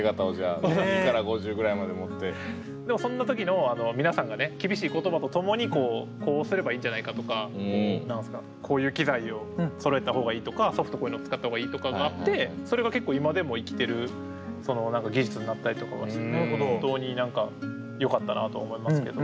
でもそんな時の皆さんがね厳しい言葉とともにこうすればいいんじゃないかとかこういう機材をそろえた方がいいとかソフトこういうの使った方がいいとかがあって何か技術になったりとかして本当によかったなと思いますけど。